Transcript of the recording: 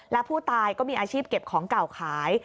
และผู้ตายก็มีอาชีพเก็บของเก่าขาย